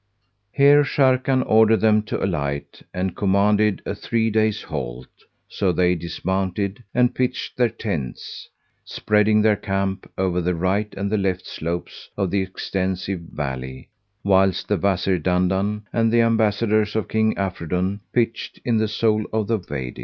Here Sharrkan ordered them to alight and commanded a three days' halt, so they dismounted and pitched their tents, spreading their camp over the right and the left slopes of the extensive valley, whilst the Wazir Dandan and the Ambassadors of King Afridun pitched in the sole of the Wady.